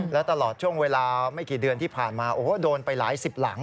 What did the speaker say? และตลอดช่วงเวลาไม่กี่เดือนที่ผ่านมาโอ้โหโดนไปหลายสิบหลัง